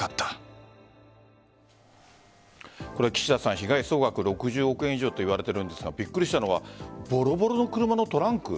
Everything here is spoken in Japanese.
被害総額６０億円以上といわれているんですかびっくりしたのはぼろぼろの車のトランク。